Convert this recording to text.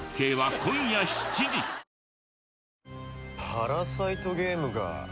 パラサイトゲームか。